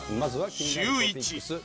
『シューイチ』